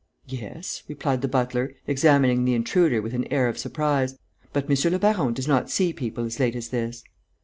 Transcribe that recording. "Yes," replied the butler, examining the intruder with an air of surprise, "but monsieur le baron does not see people as late as this."